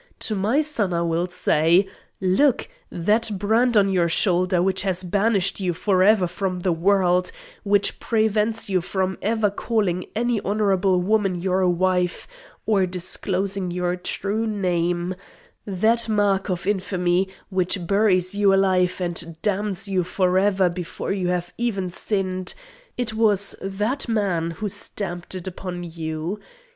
To my son I will say: 'Look! That brand on your shoulder which has banished you for ever from the world, which prevents you from ever calling any honourable woman your wife, or disclosing your true name; that mark of infamy, which buries you alive and damns you for ever before you have even sinned it was that man who stamped it upon you!